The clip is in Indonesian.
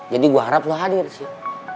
jadi gue harap lo hadir sih